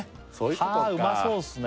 はあうまそうっすね